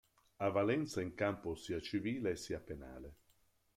Ha valenza in campo sia civile sia penale.